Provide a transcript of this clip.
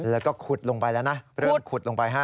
แล้วก็ขุดลงไปแล้วนะเริ่มขุดลงไปฮะ